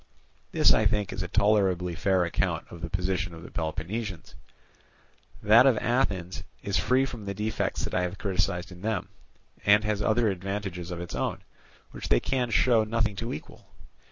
"This, I think, is a tolerably fair account of the position of the Peloponnesians; that of Athens is free from the defects that I have criticized in them, and has other advantages of its own, which they can show nothing to equal.